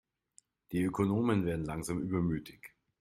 Die Ökonomen werden langsam übermütig.